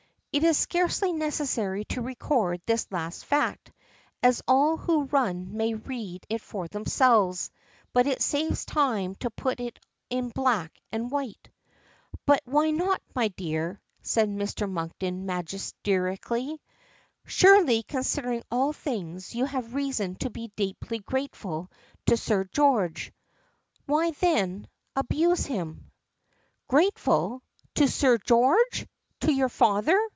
It is scarcely necessary to record this last fact, as all who run may read it for themselves, but it saves time to put it in black and white. "But why not, my dear?" says Mr. Monkton, magisterially. "Surely, considering all things, you have reason to be deeply grateful to Sir George. Why, then, abuse him?" "Grateful! To Sir George! To your father!"